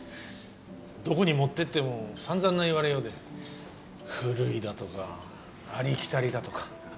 どこに持ってっても散々な言われようで。古いだとかありきたりだとか。